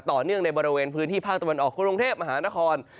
ต่อเนื่องในบริเวณพื้นที่ภาคตะวันออกกรุงเทพฯมหานคร